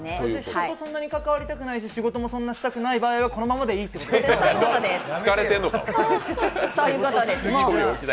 人とそんなに関わりたくないし、仕事をあんまりしたくないときは、このままでいいってことですか。